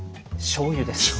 しょうゆですか。